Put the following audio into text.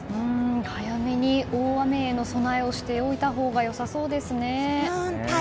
早めに大雨への備えをしておいたほうが良さそうですね。